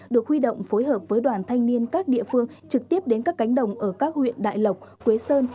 được huy động phối hợp với đoàn thanh niên các địa phương trực tiếp đến các cánh đồng ở các huyện đại lộc quế sơn